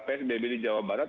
psbb di jawa barat